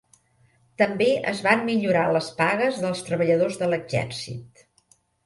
També es van millorar les pagues dels treballadors de l'exèrcit.